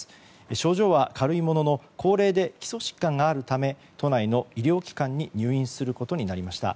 症状は軽いものの高齢で基礎疾患があるため都内の医療機関に入院することになりました。